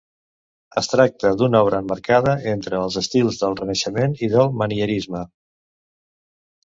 Es tracta d'una obra emmarcada entre els estils del Renaixement i del Manierisme.